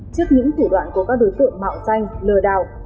trước những thủ đoạn của các đối tượng mạo danh lừa đảo